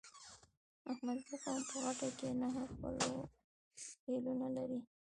احمدزی قوم په غټه کې نهه خيلونه لري.